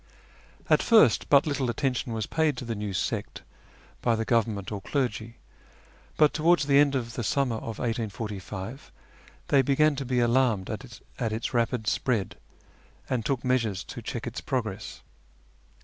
At first but little attention M^as paid to the new sect by the government or clergy, but towards the end of tlie summer of 1845 they began to be alarmed at its rapid spread, and took measures to check its progress.